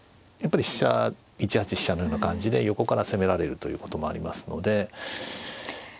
やっぱり飛車１八飛車のような感じで横から攻められるということもありますので。